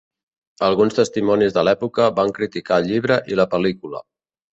Alguns testimonis de l'època van criticar el llibre i la pel·lícula.